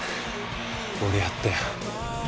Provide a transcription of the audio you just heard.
俺やったよ」